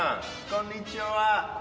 こんにちは。